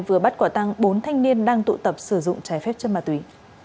vừa bắt quả tăng bốn thanh niên đang tụ tập sử dụng trái phép chân ma túy